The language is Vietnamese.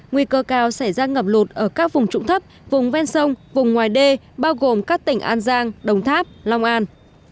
nguy cơ cao xảy ra ngập lụt ở các vùng trụng thấp vùng ven sông vùng ngoài đê bao gồm các tỉnh an giang đồng tháp long an